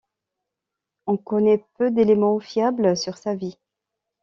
On connaît peu d'éléments fiables sur sa vie.